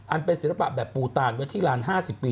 อันเป็นศิลปะแบบปูตานวิทยาลันทร์๕๐ปี